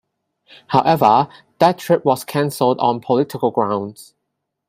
However, that trip was cancelled on political grounds.